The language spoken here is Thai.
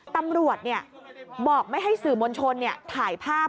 ตำรวจบอกไม่ให้สื่อมวลชนถ่ายภาพ